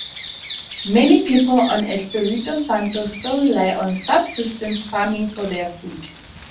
Many people on Espiritu Santo still rely on subsistence farming for their food.